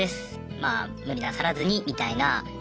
まぁ無理なさらずに」みたいな。